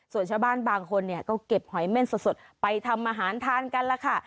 ส่วนชาวบ้านบางคนเนี่ยก็เก็บหอยเม่นสดไปทำอาหารทานกันแล้วค่ะ